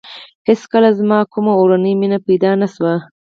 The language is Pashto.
هېڅکله زما کومه اورنۍ مینه پیدا نه شوه.